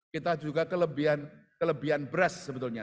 kita juga kelebihan beras sebetulnya